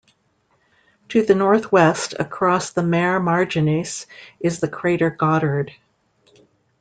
To the northwest across the Mare Marginis is the crater Goddard.